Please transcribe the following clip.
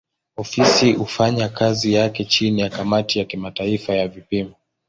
Ofisi hufanya kazi yake chini ya kamati ya kimataifa ya vipimo.